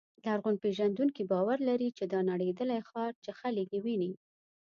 لرغونپېژندونکي باور لري چې دا نړېدلی ښار چې خلک یې ویني.